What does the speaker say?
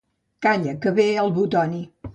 Calla, que ve el Butoni.